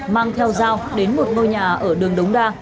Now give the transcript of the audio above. mang theo dao đến một ngôi nhà ở đường đống đa